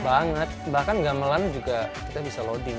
banget bahkan gamelan juga kita bisa loading